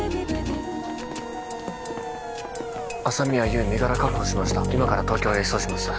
朝宮優身柄確保しました